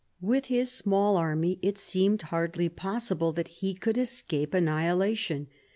With his small army it seemed hardly possible that he should escape annihilation.